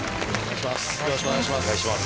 よろしくお願いします。